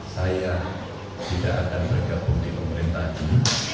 saya tidak akan bergabung di pemerintah ini